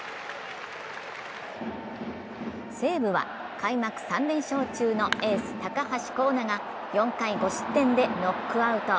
西武は開幕３連勝中のエース・高橋光成が４回５失点でノックアウト。